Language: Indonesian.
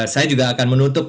saya juga akan menutup